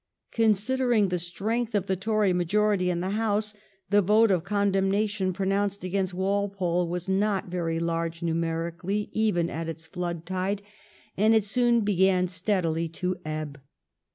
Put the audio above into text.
Considering the strength of the Tory majority in the House the vote of condemnation pronounced against Walpole was not very large numerically, even at its flood tide, and it soon began steadily to ebb.